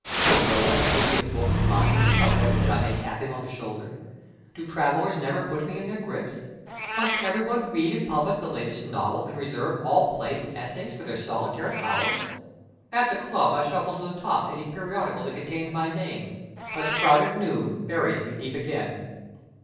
Will no one ever read a book of mine in the subway, that I may tap him on the shoulder? Do travelers never put me in their grips? Must everyone read in public the latest novel, and reserve all plays and essays for their solitary hours? At the club I shuffle to the top any periodical that contains my name, but the crowded noon buries me deep again.